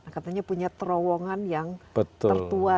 katanya punya terowongan yang tertua